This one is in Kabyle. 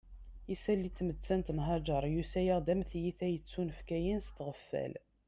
Isalli n tmettant n Haǧer yusa-aɣ-d am tiyita yettunefkayen s tɣeffal